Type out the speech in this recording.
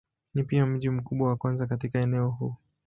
Ni pia mji mkubwa wa kwanza katika eneo huu.